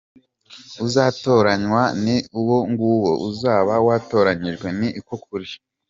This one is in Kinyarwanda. Uzatoranywa ni uwo nguwo uzaba watoranyijwe, ni ko kuri.